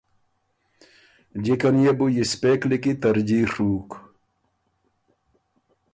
جکه نيې بو یِسپېک لیکی ترجیع ڒُوک۔